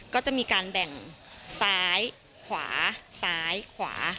ก็จะมีการแบ่งซ้ายขวาซ้ายขวา